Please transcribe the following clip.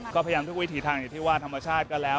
ก็พยายามทุกวิถีทางอยู่ที่ว่าธรรมชาติก็แล้ว